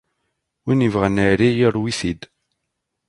Win yebɣan Ɛli yarew-it-id.